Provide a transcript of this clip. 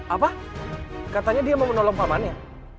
apa katanya dia mau menolong pamannya